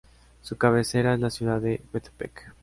Su cabecera es la ciudad de Metepec.